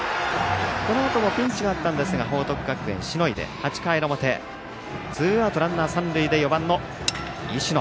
このあともピンチがあったんですが報徳学園、しのいで、８回の表ツーアウト、ランナー、三塁で４番の石野。